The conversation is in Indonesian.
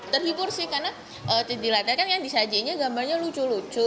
terhibur sih karena di latihan kan yang disajinya gambarnya lucu lucu